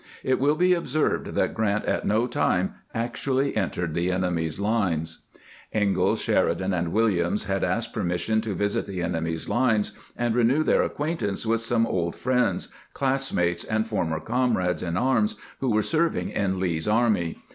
It will be observed that Grant at no time actually entered the enemy's lines. Ingalls, Sheridan, and Williams had asked permission to visit the enemy's lines and renew their acquaintance with some old friends, classmates, and former comrades in arms who were serving in Lee's army.